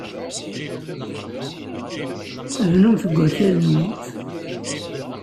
Bnumt deg wakal-nwent.